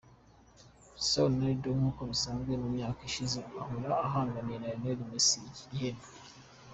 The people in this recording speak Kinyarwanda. Christiano Ronaldo nkuko bisanzwe mu myaka ishize ahora ahanganiye na Lionel Messi iki gihembo.